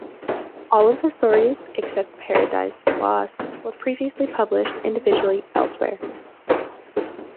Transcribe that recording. All of the stories, except "Paradises Lost", were previously published individually elsewhere.